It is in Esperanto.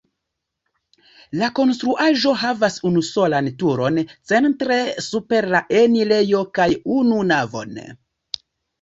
La konstruaĵo havas unusolan turon centre super la enirejo kaj unu navon.